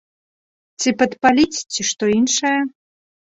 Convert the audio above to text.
Ці падпаліць, ці што іншае?